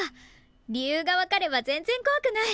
理由が分かれば全然こわくない！